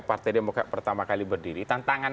partai demokrat pertama kali berdiri tantangan